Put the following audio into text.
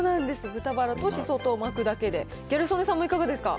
豚バラとしそとを巻くだけで、ギャル曽根さんもいかがですか。